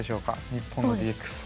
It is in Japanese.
日本のＤＸ。